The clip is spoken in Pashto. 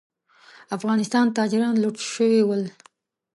افغانستان تاجران لوټ شوي ول.